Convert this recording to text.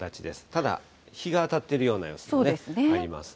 ただ、日が当たっているような様子もあります。